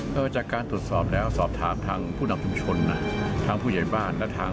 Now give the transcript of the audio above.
ก็จากการตรวจสอบแล้วสอบถามทางผู้นำชุมชนนะทางผู้ใหญ่บ้านและทาง